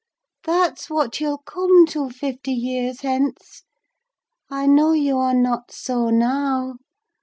That's what you'll come to fifty years hence: I know you are not so now.